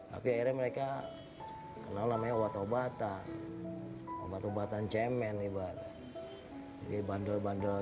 hai tapi ere mereka kenal namanya watobata obat obatan cemen ibarat di bander bander